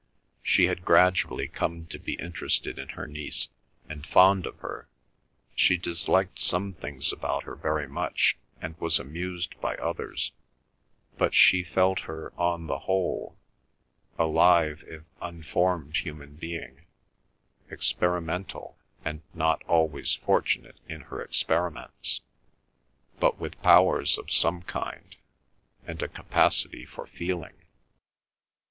She had gradually come to be interested in her niece, and fond of her; she disliked some things about her very much, she was amused by others; but she felt her, on the whole, a live if unformed human being, experimental, and not always fortunate in her experiments, but with powers of some kind, and a capacity for feeling.